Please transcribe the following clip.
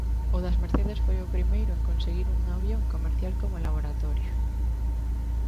O das Mercedes foi o primeiro en conseguir un avión comercial como laboratorio.